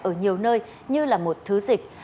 ở nhiều nơi như là một thứ dịch